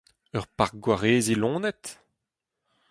Ur park gwareziñ loened ?